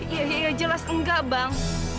iya jelas enggak bang